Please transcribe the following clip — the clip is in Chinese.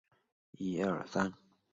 王羽人。